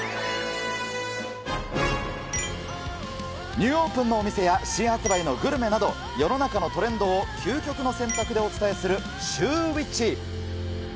ニューオープンのお店や新発売のグルメなど、世の中のトレンドを究極の選択でお伝えする、シューＷｈｉｃｈ。